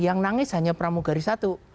yang nangis hanya pramugari satu